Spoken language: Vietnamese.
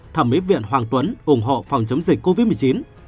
thẩm mỹ viện hoàng tuấn ủng hộ phòng chống dịch covid một mươi chín